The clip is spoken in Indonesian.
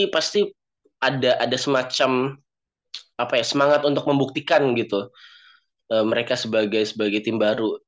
pasti ada semacam semangat untuk membuktikan gitu mereka sebagai tim baru